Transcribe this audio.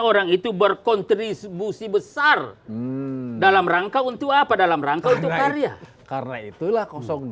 orang itu berkontribusi besar dalam rangka untuk apa dalam rangka untuk karya karena itulah